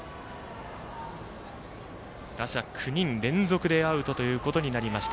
打者９人連続でアウトということになりました。